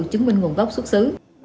chứng minh nguồn gốc xuất xứ